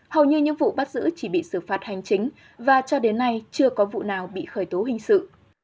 hầu như những vụ bắt giữ chỉ bị xử phạt hành chính và cho đến nay chưa có vụ nào bị khởi tố hình sự